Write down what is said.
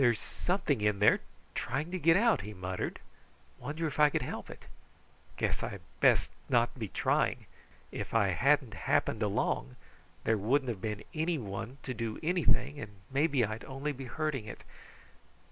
"There's something in there trying to get out," he muttered. "Wonder if I could help it? Guess I best not be trying. If I hadn't happened along, there wouldn't have been anyone to do anything, and maybe I'd only be hurting it.